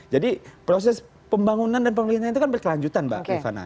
jadi proses pembangunan dan pemerintahan itu kan berkelanjutan mbak rivana